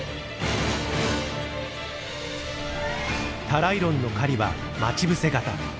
タライロンの狩りは待ち伏せ型。